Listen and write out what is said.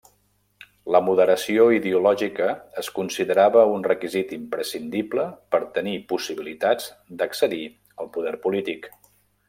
La moderació ideològica es considerava un requisit imprescindible per tenir possibilitats d'accedir al poder polític.